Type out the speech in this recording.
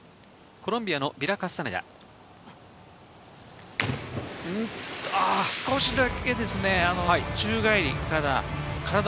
コロンビアのビラ・カスタネダ。